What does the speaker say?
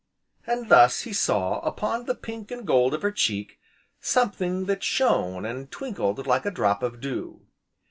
And thus he saw, upon the pint and gold of her cheek, something that shone, and twinkled like a drop of dew.